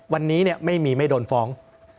วันนี้ไม่มีไม่โดนฟ้อง